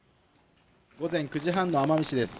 午前９時半の奄美市です。